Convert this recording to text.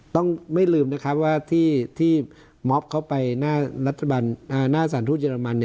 ต้องไม่ลืมว่าที่มอบเขาไปหน้าสถานทูตเยอรมัน